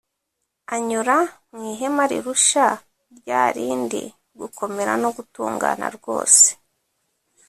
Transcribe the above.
anyura mu ihema rirusha rya rindi gukomera no gutungana rwose,